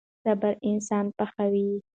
صبر انسان پخوي.